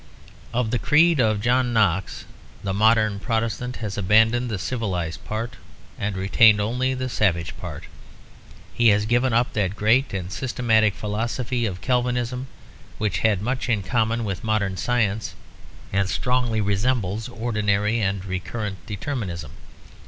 Of the creed of John Knox the modern Protestant has abandoned the civilised part and retained only the savage part. He has given up that great and systematic philosophy of Calvinism which had much in common with modern science and strongly resembles ordinary and recurrent determinism.